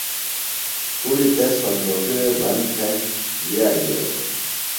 کُڑی تس صُندوقی وے بند تھےۡ ویہ گیلوۡ۔